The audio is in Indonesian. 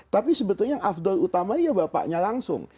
tapi sebetulnya yang afdol utama ya bapaknya langsung